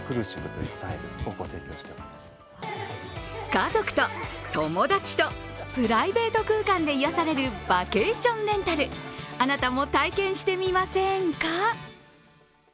家族と友達とプライベート空間で癒やされるバケーションレンタル、あなたも体験してみませんか？